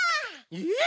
えっ？